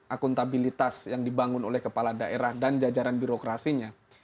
akuntabilitas yang dibangun oleh kepala daerah dan jajaran birokrasinya